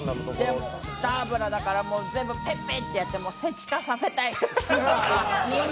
でも、ダーブラだから全部ペッペッてやって石化させたい。